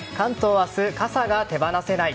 明日、傘が手放せない。